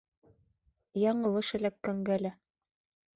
— Яңылыш эләккәнгә лә...